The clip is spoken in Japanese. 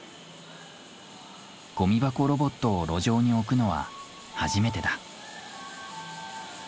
ゴミ箱ロボットを路上に置くのは初めてだ。